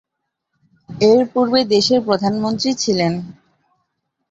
এরপূর্বে দেশের প্রধানমন্ত্রী ছিলেন।